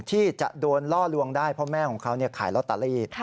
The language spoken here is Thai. ที่จะโดนล่อลวงได้เพราะแม่ของเขาขายลอตเตอรี่